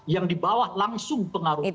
yang di bawah langsung pengaruh